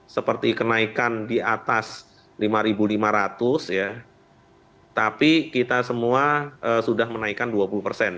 seperti kenaikan di atas lima lima ratus tapi kita semua sudah menaikkan dua puluh persen